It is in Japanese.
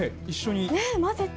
混ぜて。